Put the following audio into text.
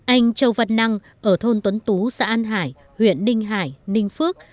anh châu văn năng ở thôn tuấn tú xã an hải huyện ninh hải ninh phước